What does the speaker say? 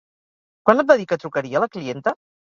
Quan et va dir que trucaria la clienta?